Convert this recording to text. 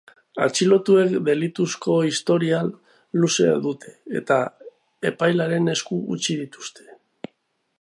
Atxilotuek delituzko historial luzea dute, eta epailearen esku utzi dituzte.